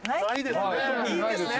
いいですね？